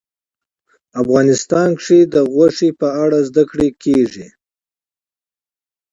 افغانستان کې د غوښې په اړه زده کړه کېږي.